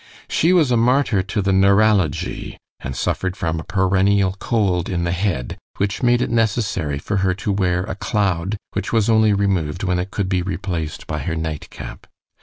She was a martyr to the "neuralagy," and suffered from a perennial cold in the head, which made it necessary for her to wear a cloud, which was only removed when it could be replaced by her nightcap.